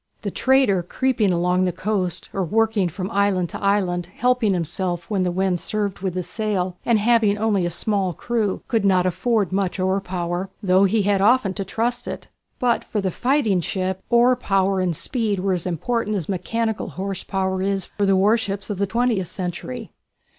The trader creeping along the coast or working from island to island helping himself when the wind served with his sail, and having only a small crew, could not afford much oar power, though he had often to trust to it. But for the fighting ship, oar power and speed were as important as mechanical horse power is for the warships of the twentieth century.